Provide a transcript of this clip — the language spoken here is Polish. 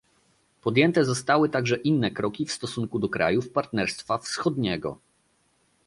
Podjęte zostały także inne kroki w stosunku do krajów Partnerstwa Wschodniego